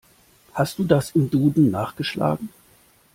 Hast du das im Duden nachgeschlagen?